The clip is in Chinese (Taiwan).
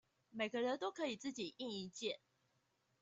每個人都可以自己印一件